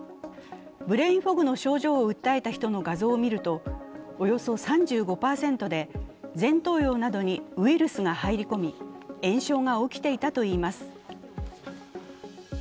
ブレインフォグの症状を訴えた人の画像を見るとおよそ３５％で前頭葉などにウイルスが入り込み炎症が起きていたといいます。